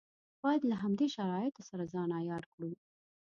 باید له همدې شرایطو سره ځان عیار کړو.